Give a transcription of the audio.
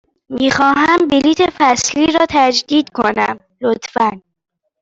می خواهم بلیط فصلی را تجدید کنم، لطفاً.